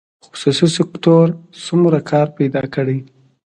خصوصي سکتور څومره کار پیدا کړی؟